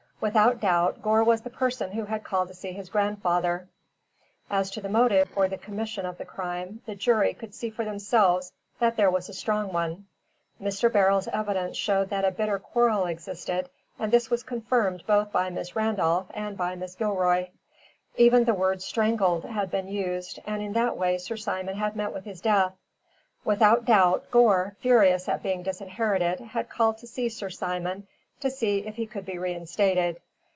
Without doubt Gore was the person who had called to see his grandfather. As to the motive for the commission of the crime, the jury could see for themselves that there was a strong one. Mr. Beryl's evidence showed that a bitter quarrel existed, and this was confirmed both by Miss Randolph and Mrs. Gilroy. Even the word "strangled" had been used, and in that way Sir Simon had met with his death. Without doubt Gore, furious at being disinherited, had called to see Sir Simon, to see if he could be reinstated.